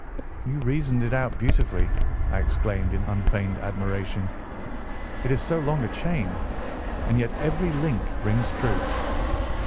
"You reasoned it out beautifully," I exclaimed in unfeigned admiration. "It is so long a chain, and yet every link rings true."